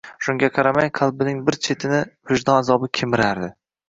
Shunga qaramay, qalbining bir chetini vijdon azobi kemirardi